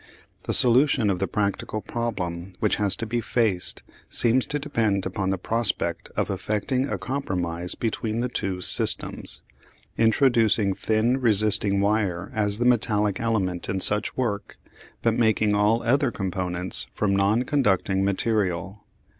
The solution of the practical problem which has to be faced seems to depend upon the prospect of effecting a compromise between the two systems, introducing thin resisting wire as the metallic element in such work, but making all other components from non conducting material.